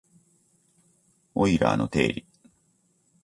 オイラーの定理